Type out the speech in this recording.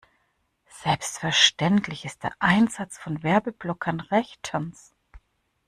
Selbstverständlich ist der Einsatz von Werbeblockern rechtens.